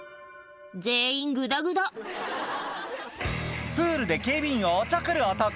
全員ぐだぐだプールで警備員をおちょくる男